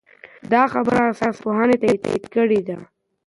دا خبره ساینس پوهانو تایید کړې ده.